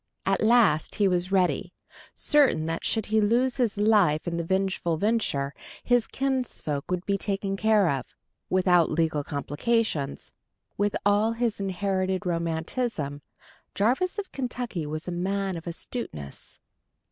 At last he was ready, certain that should he lose his life in the vengeful venture, his kinsfolk would be taken care of, without legal complications: with all his inherited romanticism, Jarvis of Kentucky was a man of astuteness.